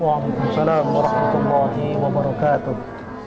waalaikumsalam warahmatullahi wabarakatuh